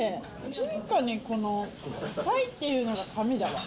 中華にタイっていうのが神だわ。